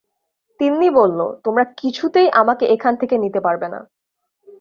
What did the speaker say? তিন্নি বলল, তোমরা কিছুতেই আমাকে এখান থেকে নিতে পারবে না।